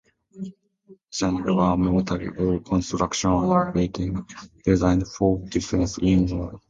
Fortifications are military constructions and buildings designed for defense in warfare.